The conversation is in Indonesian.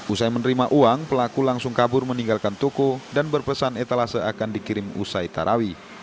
usai menerima uang pelaku langsung kabur meninggalkan toko dan berpesan etalase akan dikirim usai tarawih